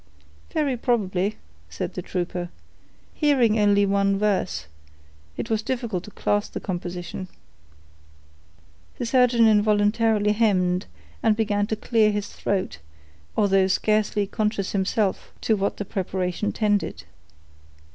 "Very probably," said the trooper. "Hearing only one verse, it was difficult to class the composition." The surgeon involuntarily hemmed, and began to clear his throat, although scarcely conscious himself to what the preparation tended.